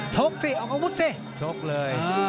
ชกสิออกมาพุดสิชกเลย